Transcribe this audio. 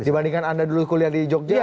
dibandingkan anda dulu kuliah di jogja